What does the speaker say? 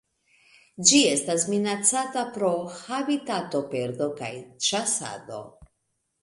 Ĝi estas minacata pro habitatoperdo kaj ĉasado.